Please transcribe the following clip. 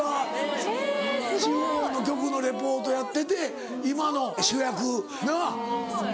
地方の局のリポートやってて今の主役。なぁ。